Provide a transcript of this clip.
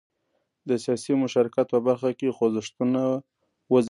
د سیاسي مشارکت په برخه کې خوځښتونه وځپل شول.